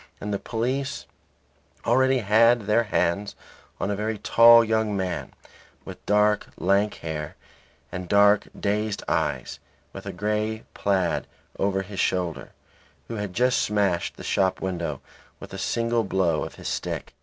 And the police already had their hands on a very tall young man, with dark, lank hair and dark, dazed eyes, with a grey plaid over his shoulder, who had just smashed the shop window with a single blow of his stick.